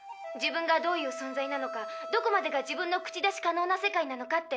「自分がどういう存在」なのか「どこまでが自分の口出し可能な世界なのか」